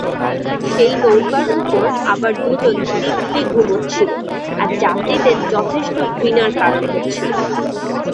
সেই নৌকার উপর আবার দুজন দিব্বি ঘুমুচ্ছিল, আর যাত্রীদের যথেষ্ট ঘৃণার কারণ হচ্ছিল।